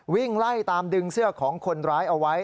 วิ่งไล่ตามดึงเสื้อของคนร้ายเอาไว้